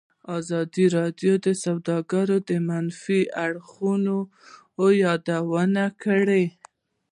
ازادي راډیو د سوداګري د منفي اړخونو یادونه کړې.